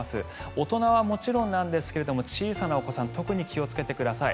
大人はもちろんなんですが小さなお子さん特に気をつけてください。